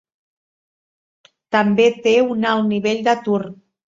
També té un alt nivell d'atur.